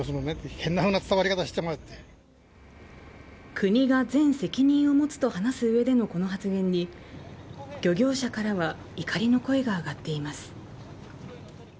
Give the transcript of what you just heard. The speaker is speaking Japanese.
国が全責任を持つと話す上でのこの発言に漁業者からは怒りの声が上がっています。